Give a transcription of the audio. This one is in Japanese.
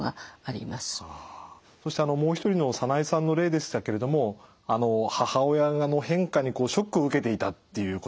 そしてもう一人のサナエさんの例でしたけれども母親の変化にショックを受けていたっていうことでした。